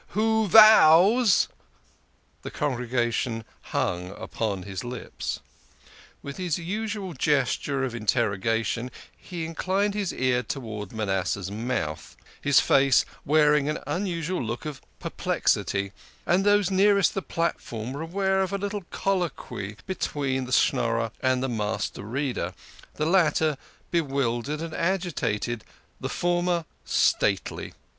" Who vows " The congregation hung upon his lips. With his usual gesture of interrogation, he inclined his ear towards Manasseh's mouth, his face wearing an unusual look of perplexity ; and those nearest the platform were aware of a little colloquy between the Schnorrer and the Master Reader, the latter bewildered and agitated, the former stately.